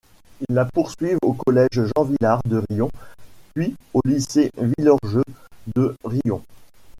Ils la poursuivent au collège Jean-Vilar de Riom puis au lycée Virlogeux de Riom.